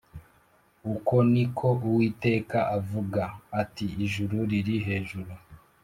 Uku ni ko uwiteka avuga ati ijuru riri hejuru